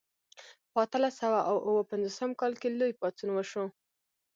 په اتلس سوه او اووه پنځوسم کال کې لوی پاڅون وشو.